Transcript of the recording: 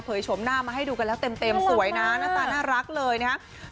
ชมหน้ามาให้ดูกันแล้วเต็มสวยนะหน้าตาน่ารักเลยนะครับ